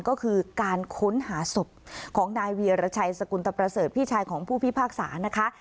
ก็คือการค้นหาศพของนายเวียรชัยสกุลตประเสริฐพี่ชายของผู้พิพากษานะคะ